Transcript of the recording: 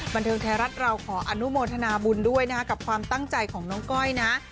บันเทิงไทยรัฐเราขออนุโมทนาบุญด้วยนะครับกับความตั้งใจของน้องก้อยนะ